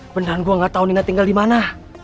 beneran gue gak tau nina tinggal dimana